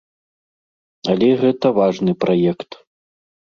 Але гэта важны праект.